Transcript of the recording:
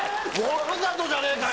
わざとじゃねえかよ！